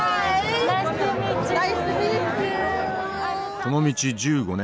この道１５年。